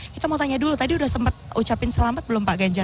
kita mau tanya dulu tadi udah sempat ucapin selamat belum pak ganjar